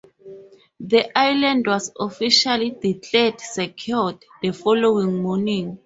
The island was officially declared "secured" the following morning.